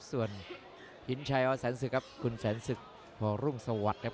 ส่วนหินชัยวแสนศึกครับคุณแสนศึกวรุ่งสวัสดิ์ครับ